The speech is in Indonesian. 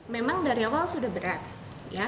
memang dari awal sudah berat